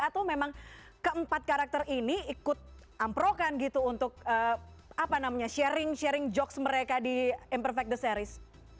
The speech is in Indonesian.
atau memang keempat karakter ini ikut amprokan gitu untuk sharing sharing jokes mereka di imperfect the series